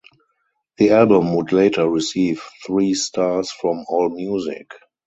The album would later receive three stars from Allmusic.